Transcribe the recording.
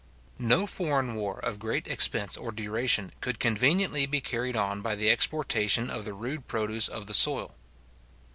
No foreign war, of great expense or duration, could conveniently be carried on by the exportation of the rude produce of the soil.